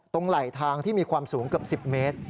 ไหลทางที่มีความสูงเกือบ๑๐เมตร